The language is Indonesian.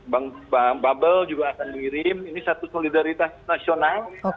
bank bubble juga akan diirim ini satu solidaritas nasional